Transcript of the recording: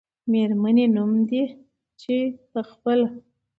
میرمنې نوم دی، چې په خپله